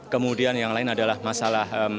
kemudian yang lain adalah masalah